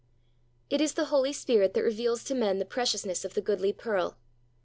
It is the Holy Spirit that reveals to men the prcciousness of the goodly pearl.